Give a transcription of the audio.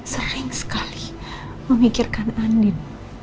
paling sekali memikirkan andin